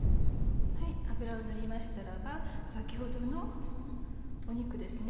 油を塗りましたらば先ほどの肉ですね。